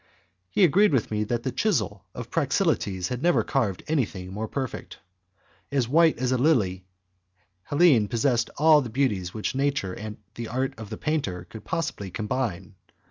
He agreed with me that the chisel of Praxiteles had never carved anything more perfect. As white as a lily, Helene possessed all the beauties which nature and the art of the painter can possibly combine.